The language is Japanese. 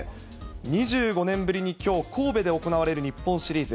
２５年ぶりにきょう、神戸で行われる日本シリーズ。